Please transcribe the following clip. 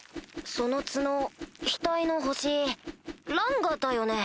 その角額の星ランガだよね？